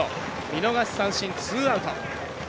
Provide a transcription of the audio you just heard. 見逃し三振、ツーアウト。